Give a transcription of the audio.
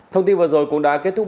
thông tin vừa rồi cũng đã kết thúc